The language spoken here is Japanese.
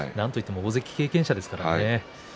大関経験者ですからね。